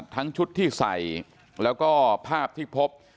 ทั้งชุดที่ใส่แล้วก็ภาพที่พบ